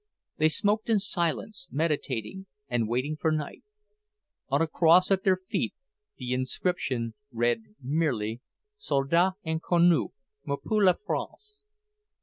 They smoked in silence, meditating and waiting for night. On a cross at their feet the inscription read merely: Soldat Inconnu, Mort pour La France.